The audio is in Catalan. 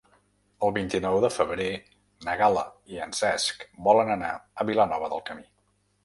El vint-i-nou de febrer na Gal·la i en Cesc volen anar a Vilanova del Camí.